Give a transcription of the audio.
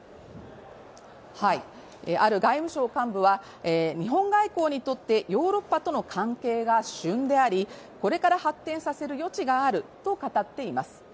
ある外務省幹部は日本外交にとってヨーロッパとの関係が旬でありこれから発展させる余地があると語っています。